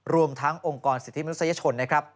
รวมทั้งองค์กรสิทธิมนุษยชนนะครับ